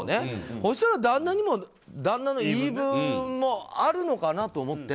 そしたら旦那の言い分もあるのかなと思って。